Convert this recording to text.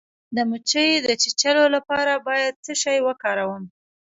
د مچۍ د چیچلو لپاره باید څه شی وکاروم؟